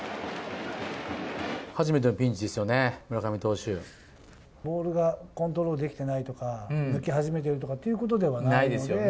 初めてのピンチですよね、ボールがコントロールできてないとか、抜け始めてるということではないですよね。